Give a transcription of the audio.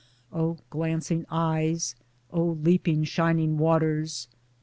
O glancing eyes ! O leaping shining waters